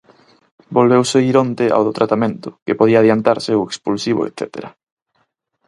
Volveuse ir onte ao do tratamento, que podía adiantarse o expulsivo etcétera.